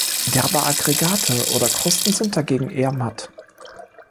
Derbe Aggregate oder Krusten sind dagegen eher matt.